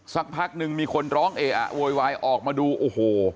สักพักนึงมีคนร้องเออะโวยวายออกมาดูโอ้โห